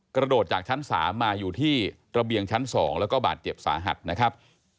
กระโดดจากชั้น๓มาอยู่ที่ระเบียงชั้น๒แล้วก็บาดเจ็บสาหัสนะครับ